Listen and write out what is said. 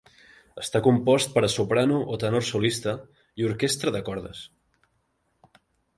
Està compost per a soprano o tenor solista i orquestra de cordes.